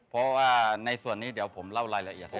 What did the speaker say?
เพราะว่าในส่วนนี้เดี๋ยวผมเล่ารายละเอียดให้